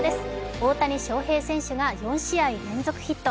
大谷翔平選手が４試合連続ヒット。